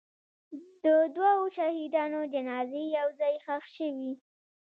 د دوو شهیدانو جنازې یو ځای ښخ شوې.